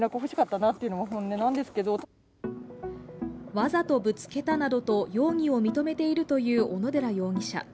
わざとぶつけたなどと、容疑を認めているという小野寺容疑者。